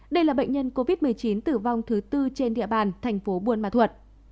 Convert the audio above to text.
đây là bệnh nhân covid một mươi chín tử vong thứ tư trên địa bàn tp buôn ma thuật